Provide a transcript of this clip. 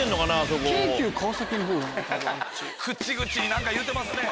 口々に何か言うてますね。